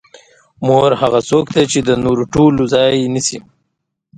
مور هغه څوک ده چې د نورو ټولو ځای نیسي.